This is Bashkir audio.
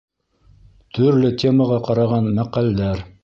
ТӨРЛӨ ТЕМАҒА ҠАРАҒАН МӘҠӘЛДӘР